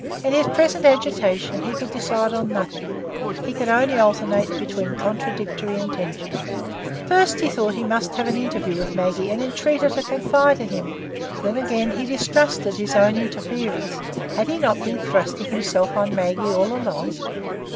In his present agitation he could decide on nothing; he could only alternate between contradictory intentions. First, he thought he must have an interview with Maggie, and entreat her to confide in him; then, again, he distrusted his own interference. Had he not been thrusting himself on Maggie all along?